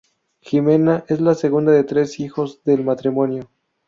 Ximena es la segunda de tres hijos del matrimonio.